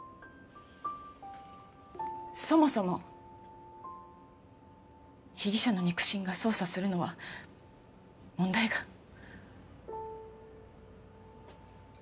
そもそも被疑者の肉親が捜査するのは問題が。